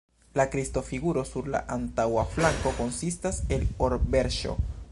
La Kristo-figuro sur la antaŭa flanko konsistas el or-verŝo.